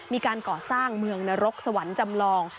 มีการก่อสร้างเมืองนรกสวรรค์จำลอง